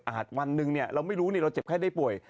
อาจวันนึงเนี่ยเราไม่รู้เนี่ยเราเจ็บแค่ได้ป่วย